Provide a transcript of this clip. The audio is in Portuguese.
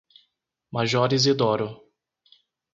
Major Izidoro